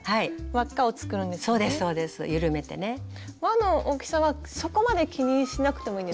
輪の大きさはそこまで気にしなくてもいいんですか？